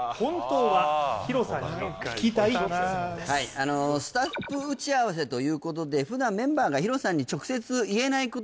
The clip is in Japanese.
あのスタッフ打ち合わせということで普段メンバーがＨＩＲＯさんに直接言えないこと